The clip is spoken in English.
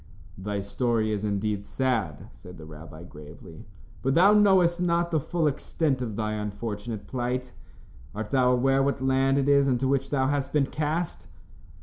"Thy story is indeed sad," said the rabbi, gravely, "but thou knowest not the full extent of thy unfortunate plight. Art thou aware what land it is into which thou hast been cast?"